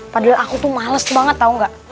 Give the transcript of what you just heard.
padahal aku tuh males banget tau gak